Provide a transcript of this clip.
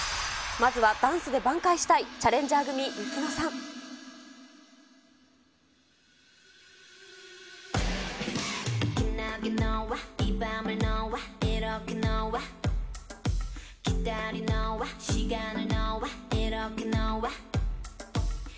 まずはダンスで挽回したい、チャレンジャー組、ユキノさん。